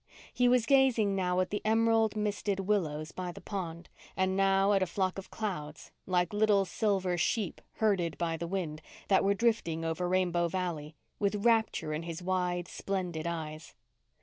He was gazing now at the emerald misted willows by the pond, and now at a flock of clouds, like little silver sheep, herded by the wind, that were drifting over Rainbow Valley, with rapture in his wide splendid eyes.